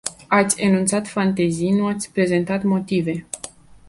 Ați enunțat fantezii, nu ați prezentat motive.